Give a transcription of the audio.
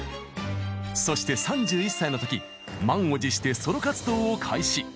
そして３１歳の時満を持してソロ活動を開始。